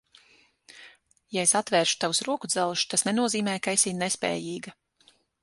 Ja es atvēršu tavus rokudzelžus, tas nenozīmē, ka esi nespējīga.